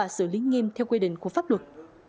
xử lý nghiêm theo quy định của pháp luật